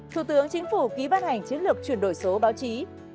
bảy thủ tướng chính phủ ký văn hành chiến lược chuyển đổi số báo chí